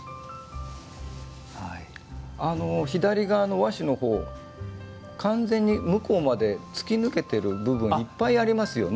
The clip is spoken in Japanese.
和紙の方は完全に向こうまで突き抜けてる部分いっぱいありますよね。